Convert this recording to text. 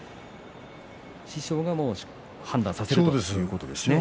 師匠が判断するということですね。